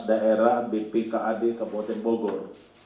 tk kepala bpkad kabupaten bogor